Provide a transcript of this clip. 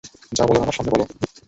যা বলার আমার সামনে বলো।